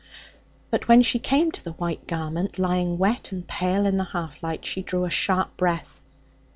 But when she came to the white garment lying wet and pale in the half light she drew a sharp breath.